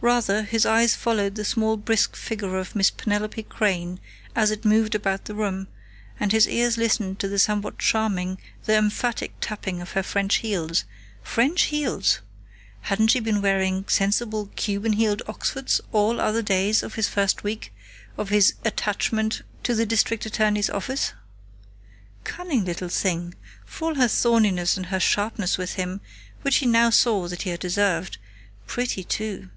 Rather, his eyes followed the small, brisk figure of Miss Penelope Crain, as it moved about the room, and his ears listened to the somehow charming though emphatic tapping of her French heels.... French heels! Hadn't she been wearing sensible, Cuban heeled Oxfords all other days of this first week of his "attachment" to the district attorney's office?... Cunning little thing, for all her thorniness and her sharpness with him, which he now saw that he had deserved.... Pretty, too....